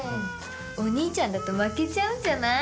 お兄ちゃんだと負けちゃうんじゃない？